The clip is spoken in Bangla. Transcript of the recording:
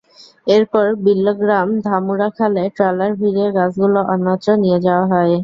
এরপর বিল্লগ্রাম ধামুরা খালে ট্রলার ভিড়িয়ে গাছগুলো অন্যত্র নিয়ে যাওয়া হয়।